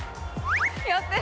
やってる！